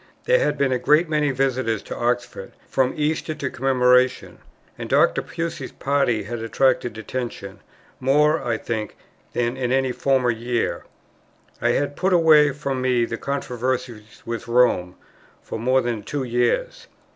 There had been a great many visitors to Oxford from Easter to Commemoration; and Dr. Pusey's party had attracted attention, more, I think, than in any former year. I had put away from me the controversy with Rome for more than two years.